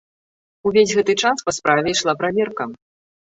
Увесь гэты час па справе ішла праверка.